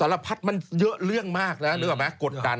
สารพัดมันเยอะเรื่องมากนะนึกออกไหมกดดัน